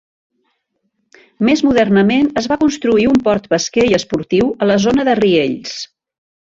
Més modernament, es va construir un port pesquer i esportiu a la zona de Riells.